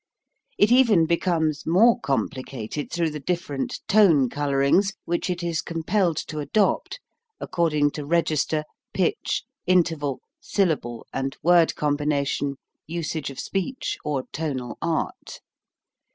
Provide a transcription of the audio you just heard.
It even becomes more complicated through the different tone color ings which it is compelled to adopt according to register, pitch, interval, syllable, and word combination, usage of speech, or tonal art.